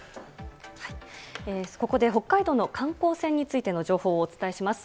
ここで北海道の観光船についての情報をお伝えします。